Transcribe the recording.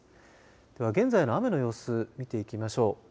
では現在の雨の様子見ていきましょう。